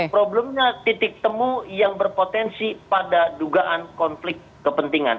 problemnya titik temu yang berpotensi pada dugaan konflik kepentingan